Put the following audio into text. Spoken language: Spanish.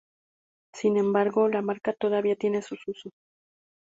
Sin embargo, la marca todavía tiene sus usos.